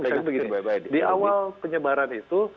bisa begini di awal penyebaran itu